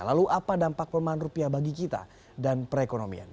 lalu apa dampak pelemahan rupiah bagi kita dan perekonomian